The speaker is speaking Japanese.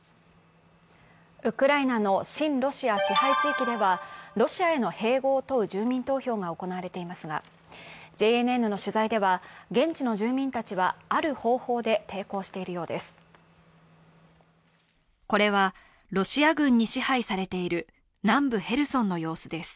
ウクライナの親ロシア支配地域では、ロシアへの併合を問う住民投票が行われていますがＪＮＮの取材では、現地の住民たちはある方法で抵抗しているようです。